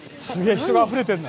人があふれてるな」